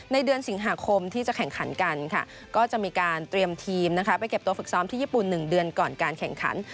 เดือนสิงหาคมที่จะแข่งขันกันค่ะก็จะมีการเตรียมทีมไปเก็บตัวฝึกซ้อมที่ญี่ปุ่น๑เดือนก่อนการแข่งขัน